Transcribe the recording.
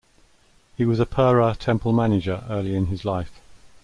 He was Perur Temple manager early in his life.